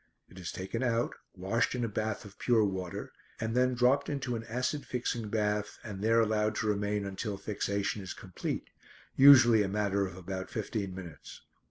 It is taken out, washed in a bath of pure water, and then dropped into an acid fixing bath and there allowed to remain until fixation is complete, usually a matter of about fifteen minutes.